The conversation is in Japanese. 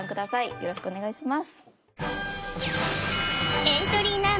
よろしくお願いします